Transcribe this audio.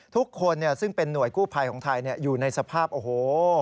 ทุกคนซึ่งเป็นหน่วยกู้ภัยของไทยอยู่ในสภาพโอ้โห